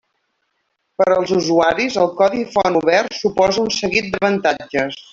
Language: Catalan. Per als usuaris, el codi font obert suposa un seguit d'avantatges.